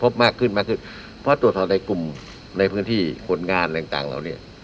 มากขึ้นมากขึ้นเพราะตรวจสอบในกลุ่มในพื้นที่ผลงานอะไรต่างเหล่านี้